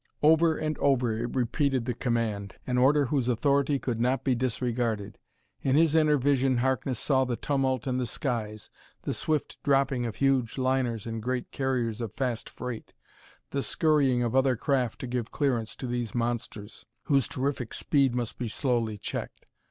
Over and over it repeated the command an order whose authority could not be disregarded. In his inner vision Harkness saw the tumult in the skies, the swift dropping of huge liners and great carriers of fast freight, the scurrying of other craft to give clearance to these monsters whose terrific speed must be slowly checked.